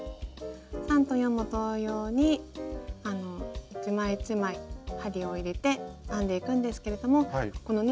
３と４も同様に一枚一枚針を入れて編んでいくんですけれどもこのね